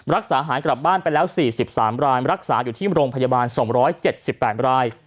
รักษาหายกลับบ้านไปแล้ว๔๓รายรักษาอยู่ที่โรงพยาบาล๒๗๘ราย